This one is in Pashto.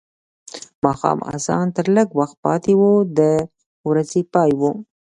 ماښام اذان ته لږ وخت پاتې و د ورځې پای و.